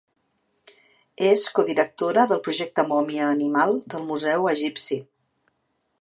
És codirectora del Projecte Mòmia animal del Museu Egipci.